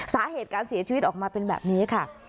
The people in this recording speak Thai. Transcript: สาเหตุการเสียชีวิตออกมาเป็นแบบนี้ค่ะ